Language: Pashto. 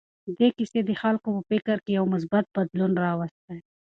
دې کیسې د خلکو په فکر کې یو مثبت بدلون راوستی.